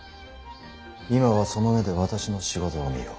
今はその目で私の仕事を見よ。